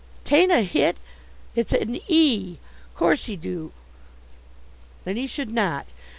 "'Tain't a hit, it's an 'e. 'Course he do." "Then he should not.